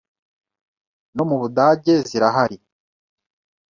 no mu Budage zirahari